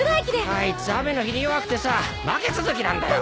あいつ雨の日に弱くてさ負け続きなんだよ。